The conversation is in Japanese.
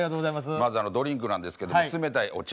まずドリンクなんですけども冷たいお茶